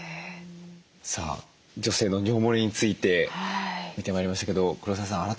さあ女性の尿もれについて見てまいりましたけど黒沢さん